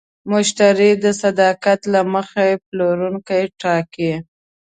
مشتری د صداقت له مخې پلورونکی ټاکي.